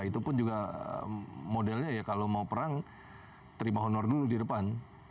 itu pun juga modelnya ya kalau mau perang terima honor dulu di depan